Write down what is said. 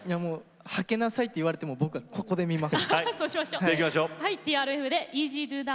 はけなさいと言われても僕、ここで見ます。